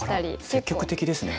積極的ですね。